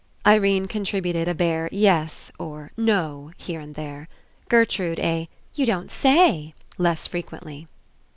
Irene contributed a bare "Yes" or "No" here and there. Gertrude, a "You don't say!" less frequently.